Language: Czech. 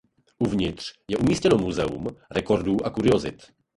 Uvnitř je umístěno Muzeum rekordů a kuriozit.